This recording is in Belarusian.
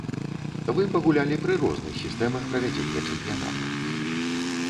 Вы пагулялі пры розных сістэмах правядзення чэмпіянату.